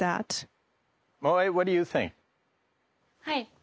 はい。